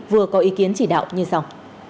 vừa có ý kiến chỉ đạo như sau